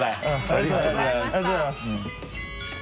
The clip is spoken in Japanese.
ありがとうございます。